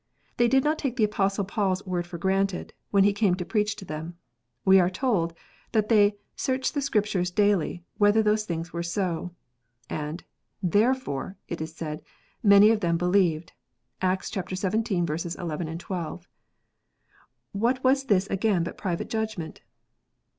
They did not take the Apostle Paul s word for granted, when he come to preach to them. We are told, that they " searched the Scriptures daily, whether those things were so," and " therefore," it is said, " many of them believed." (Acts xvii. 11,12.) What was this again but private judgment